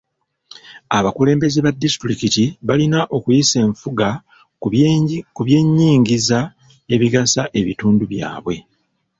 Abakulembeze ba disitulikiti balina okuyisa enfuga ku by'ennyingiza ebigasa ebitundu byabwe.